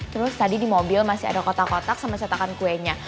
terus tadi di mobil masih ada kotak kotak sama cetakan kuenya